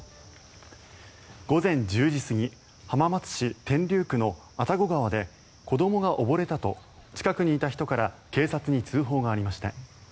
午前１０時過ぎ浜松市天竜区の阿多古川で子どもが溺れたと近くにいた人から警察に通報がありました。